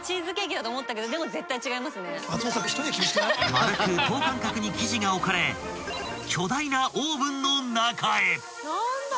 ［まるく等間隔に生地が置かれ巨大なオーブンの中へ］